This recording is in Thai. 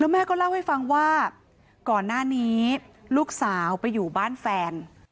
แม่ก็เล่าให้ฟังว่าก่อนหน้านี้ลูกสาวไปอยู่บ้านแฟน